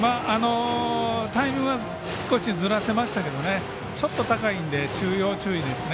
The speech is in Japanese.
タイミングは少しずらせましたけどちょっと高いんで要注意ですね